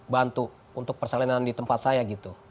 bantu untuk persalinan di tempat saya gitu